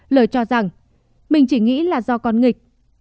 lời cho rằng mình chỉ nghĩ là do con nghịch